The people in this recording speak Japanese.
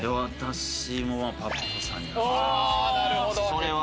それは。